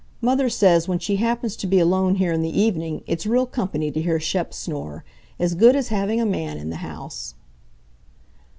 Mother says, when she happens to be alone here in the evening, it's real company to hear Shep snore—as good as having a man in the house."